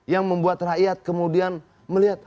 yang membuat rakyat kemudian melihat